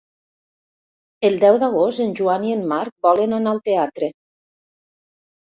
El deu d'agost en Joan i en Marc volen anar al teatre.